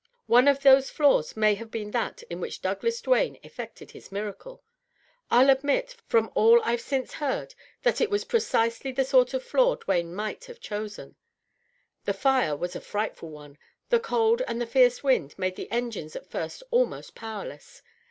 One of those floors may have been that in which Douglas Duane effected his miracle. I'll admit, from all I've since heard, that it was precisely the sort of floor Duane might have chosen. The fire was a frightful one. The cold and the fierce wind made the engines at first almost powerless.